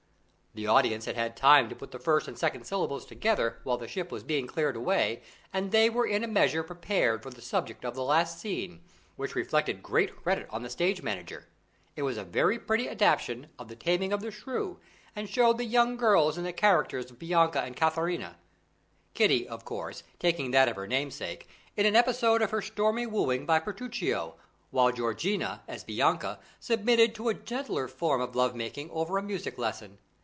The audience had had time to put the first and second syllables together while the ship was being cleared away, and they were in a measure prepared for the subject of the last scene, which reflected great credit on the stage manager. It was a very pretty adaptation of The Taming of the Shrew, and showed the young girls in the characters of Bianca and Katharina, Kitty, of course, taking that of her namesake, in an episode of her stormy wooing by Petruchio, while Georgiana, as Bianca, submitted to a gentler form of love making over a music lesson.